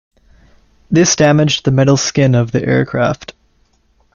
This damaged the metal skin of the aircraft.